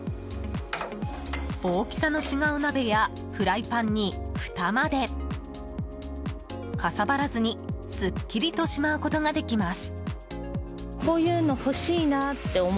大きさの違う鍋やフライパンにふたまでかさばらずに、すっきりとしまうことができます。